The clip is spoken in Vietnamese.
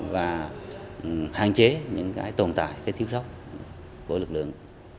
và hạn chế những tồn tại thiếu sóc của lực lượng